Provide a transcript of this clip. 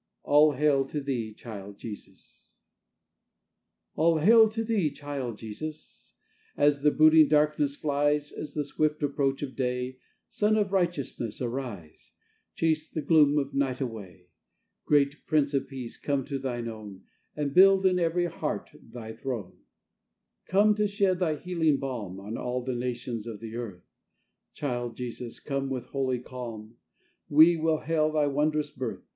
ALL HAIL TO THEE, CHILD JESUSAll hail to Thee, child Jesus! As the brooding darkness fliesAt the swift approach of day, Sun of righteousness, arise, Chase the gloom of night away. Great Prince of Peace, come to thine own, And build in every heart Thy throne. Come to shed Thy healing balmOn all nations of the earth, Child Jesus, come with holy calm, How we hail thy wondrous birth.